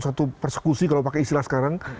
suatu persekusi kalau pakai istilah sekarang